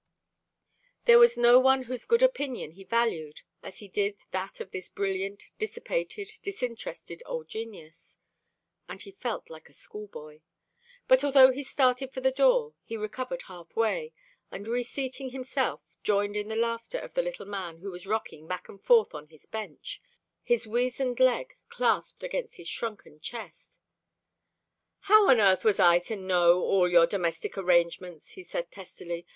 There was no one whose good opinion he valued as he did that of this brilliant, dissipated, disinterested old genius; and he felt like a schoolboy. But although he started for the door, he recovered half way, and reseating himself joined in the laughter of the little man who was rocking back and forth on his bench, his weazened leg clasped against his shrunken chest. "How on earth was I to know all your domestic arrangements?" he said testily.